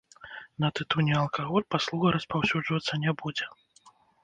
На тытунь і алкаголь паслуга распаўсюджвацца не будзе.